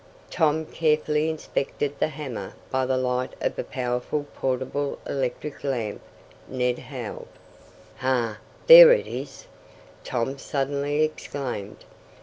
Tom carefully inspected the hammer by the light of a powerful portable electric lamp Ned held. "Ha! There it is!" Tom suddenly exclaimed.